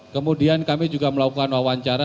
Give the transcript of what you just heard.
kemudian kami juga melakukan wawancara